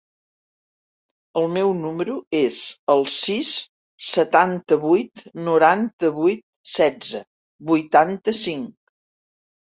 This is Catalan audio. El meu número es el sis, setanta-vuit, noranta-vuit, setze, vuitanta-cinc.